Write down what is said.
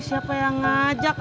siapa yang ngajak